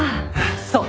そう。